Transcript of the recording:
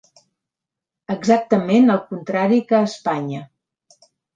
Exactament el contrari que a Espanya.